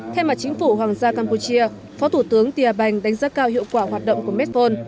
thay mặt chính phủ hoàng gia campuchia phó thủ tướng tia banh đánh giá cao hiệu quả hoạt động của medphone